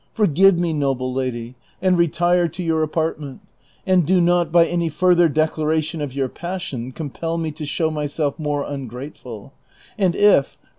Forgive me, noble lady, and retire to your apartment, and do not, by any further declaration of your pas sion, compel me to show myself more ungrateful ; and if, of the 'i.